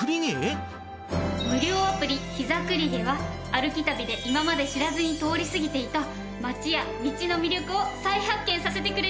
無料アプリ膝栗毛は歩き旅で今まで知らずに通り過ぎていたまちや道の魅力を再発見させてくれるアプリなの！